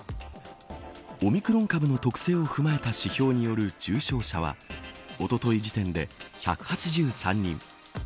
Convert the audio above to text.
オミクロン株の特性を踏まえた指標による重症者はおととい時点で１８３人。